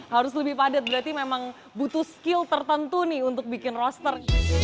harus lebih padat berarti memang butuh skill tertentu nih untuk bikin roster